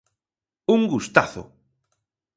¡Un gustazo!